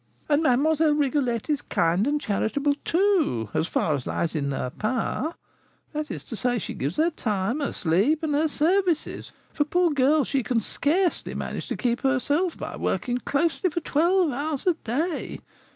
And Mlle. Rigolette is kind and charitable, too, as far as lies in her power; that is to say, she gives her time, her sleep, and her services; for, poor girl! she can scarcely manage to keep herself by working closely for twelve hours a day.